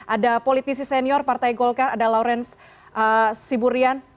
ada politisi senior partai golkar ada lawrence siburian